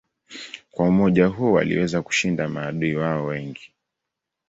Kwa umoja huo waliweza kushinda maadui wao wengi.